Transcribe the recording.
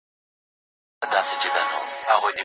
مکناتن د افغانانو ځواک وپیژند.